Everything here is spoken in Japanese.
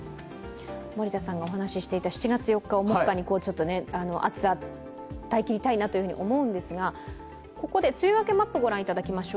森田さんがお話していた、７月４日を主に、暑さ、耐えきりたいなと思っていますが、ここで梅雨明けマップ御覧いただきます